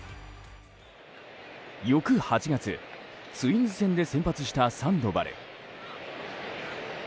翌８月、ツインズ戦で先発したサンドバル。